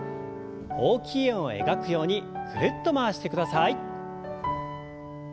大きい円を描くようにぐるっと回してください。